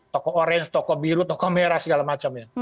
toko orange toko biru toko kamera segala macam ya